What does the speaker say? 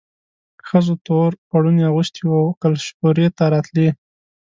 ښځو تور پوړوني اغوستي وو او کلشپورې ته راتلې.